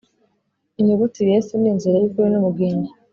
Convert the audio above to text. inyugutiYesu ni inzira y,ukuri n,ubugingo.